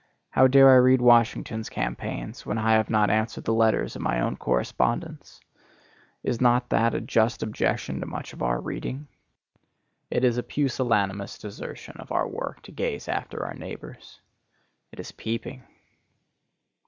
How dare I read Washington's campaigns when I have not answered the letters of my own correspondents? Is not that a just objection to much of our reading? It is a pusillanimous desertion of our work to gaze after our neighbors. It is peeping.